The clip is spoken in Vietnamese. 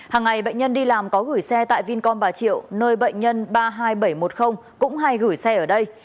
hàng ngày bệnh nhân đi làm có gửi xe tại vincomba triệu nơi bệnh nhân ba mươi hai nghìn bảy trăm một mươi cũng hay gửi xe ở đây